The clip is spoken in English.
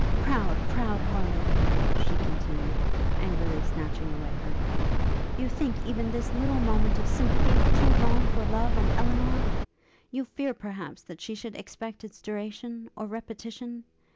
'Proud, proud Harleigh!' she continued, angrily snatching away her hand; 'you think even this little moment of sympathy, too long for love and Elinor! you fear, perhaps, that she should expect its duration, or repetition?